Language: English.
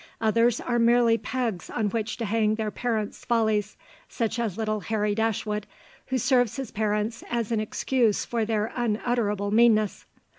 Others are merely pegs on which to hang their parents' follies, such as little Harry Dashwood, who serves his parents as an excuse for their unutterable meanness.